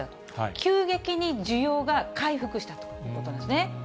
急激に需要が回復したということなんですね。